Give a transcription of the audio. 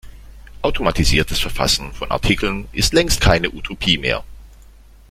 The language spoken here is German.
Automatisiertes Verfassen von Artikeln ist längst keine Utopie mehr.